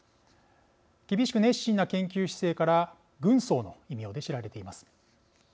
厳しく熱心な研究姿勢から軍曹の異名で知られています。